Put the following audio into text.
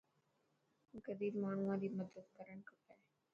غريب ماڻهوان ري مدد ڪرڻ کپي.